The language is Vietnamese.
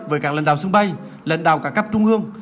với các lãnh đạo sân bay lãnh đạo cả cấp trung ương